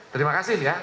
terima kasih ya